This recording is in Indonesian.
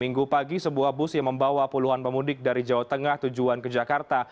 minggu pagi sebuah bus yang membawa puluhan pemudik dari jawa tengah tujuan ke jakarta